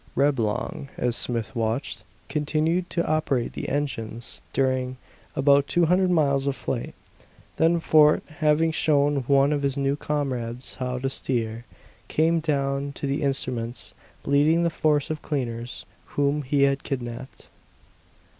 Reblong, as Smith watched, continued to operate the engines during about two hundred miles of flight; then Fort, having shown one of his new comrades how to steer, came down to the instruments, leading the force of cleaners whom he had kidnaped.